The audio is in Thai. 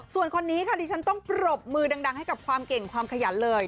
ส่วนคนนี้ค่ะดิฉันต้องปรบมือดังให้กับความเก่งความขยันเลย